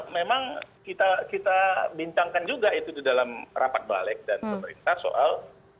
memang kita bincangkan juga itu di dalam rapat balik dan pemerintah soal